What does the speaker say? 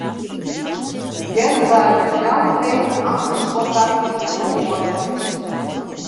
Earder waarden fjouwer hege amtners oppakt yn ferbân mei de kwestje.